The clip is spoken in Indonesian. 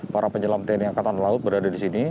para penyelam tni angkatan laut berada di sini